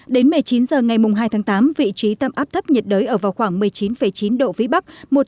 đến một mươi chín h ngày hai tháng tám vị trí tâm áp thấp nhiệt đới ở vào khoảng một mươi chín chín độ vĩ bắc